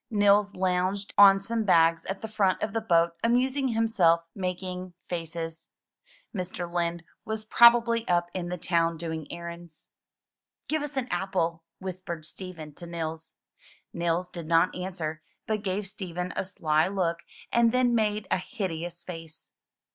Nils lounged on some bags at the front of the boat, amusing himself making faces. Mr. Lind was probably up in the town doing errands. "Give us an apple," whispered Stephen to Nils. Nils did not answer, but gave Stephen a sly look and then made a hideous face.